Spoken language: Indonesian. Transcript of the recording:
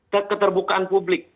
dan keterbukaan publik